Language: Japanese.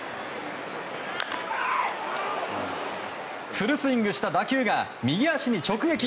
フルスイングした打球が右足に直撃。